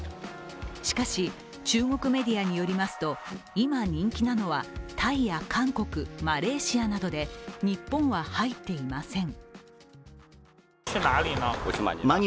しかし、中国メディアによりますと今人気なのは、タイや韓国、マレーシアなどで日本は入っていません。